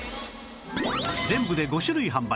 全部で５種類販売